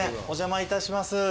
お邪魔いたします。